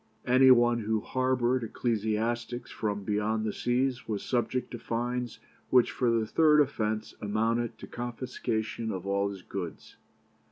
Any one who harboured ecclesiastics from beyond the seas was subject to fines which for the third offence amounted to confiscation of all his goods.